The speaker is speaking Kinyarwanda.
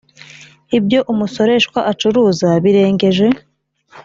ibyo umusoreshwa acuruza birengeje